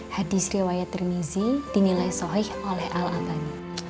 hadis riwayat rimizzi dinilai sohih oleh al abbani